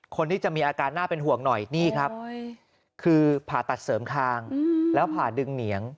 คนที่จะมีอาการน่าเป็นห่วงหน่อยนี่ครับคือผ่าตัดเสริมคางแล้วผ่าดึงเหนียง